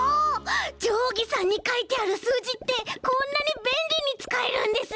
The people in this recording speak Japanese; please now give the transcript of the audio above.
じょうぎさんにかいてあるすうじってこんなにべんりにつかえるんですね！